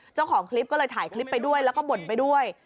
เจ้าของคลิปก็เลยถ่ายคลิปไปด้วยแล้วก็บ่นไปด้วย